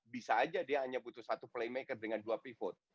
bisa aja dia hanya butuh satu playmaker dengan dua pivot